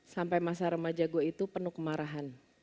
sampai masa remaja gue itu penuh kemarahan